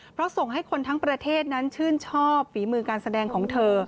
เพราะส่งให้คนทั้งประเทศนั้นชื่นชอบฝีมือการแสดงของเธอ